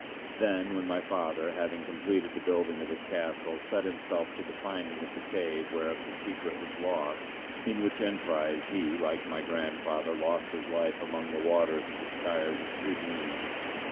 Then when my father, having completed the building of his castle, set himself to the finding of the cave whereof the secret was lost, in which emprise he, like my grandfather lost his life amongst the waters of the Skyres of Crudene.